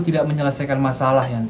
tidak menyelesaikan masalah yanti juga